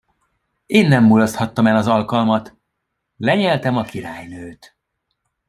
Én nem mulaszthattam el az alkalmat: lenyeltem a királynőt.